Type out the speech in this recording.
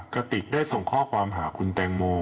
กระติกได้ส่งข้อความหาคุณแตงโม